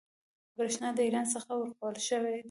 برېښنا د ایران څخه ورکول شوې وه.